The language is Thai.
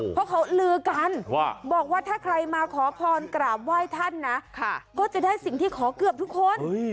เพราะเขาลือกันว่าบอกว่าถ้าใครมาขอพรกราบไหว้ท่านนะก็จะได้สิ่งที่ขอเกือบทุกคน